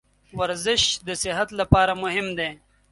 ورزش د صحت لپاره مهم دی.